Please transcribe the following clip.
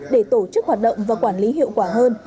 để tổ chức hoạt động và quản lý hiệu quả hơn